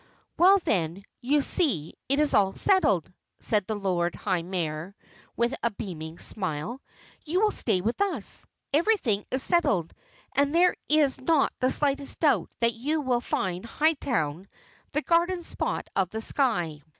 "Well, then, you see, it is all settled," said the Lord High Mayor with a beaming smile. "You will stay with us. Everything is settled and there is not the slightest doubt that you will find Hightown the Garden Spot of the Sky.